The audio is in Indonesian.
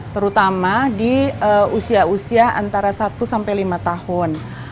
terutama di usia usia antara satu sampai lima tahun